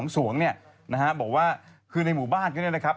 สวงเนี่ยนะฮะบอกว่าคือในหมู่บ้านก็เนี่ยนะครับ